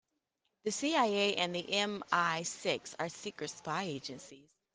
The CIA and MI-Six are secret spy agencies.